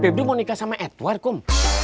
pebri mau nikah sama edward kom